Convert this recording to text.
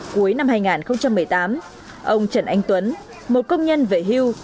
cuối năm hai nghìn một mươi tám ông trần anh tuấn một công nhân về hưu